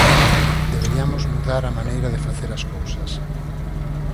Deberiamos mudar a maneira de facer as cousas.